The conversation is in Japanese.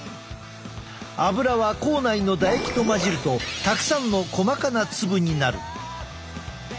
アブラは口内の唾液と混じるとたくさんの細かな粒になる。